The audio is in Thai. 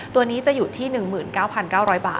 ตัวนี้จะอยู่ที่๑๙๙๐๐บาท